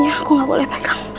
aku nggak boleh pegang